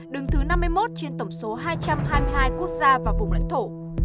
đứng thứ năm mươi một trên tổng số hai trăm hai mươi hai quốc gia và vùng lãnh thổ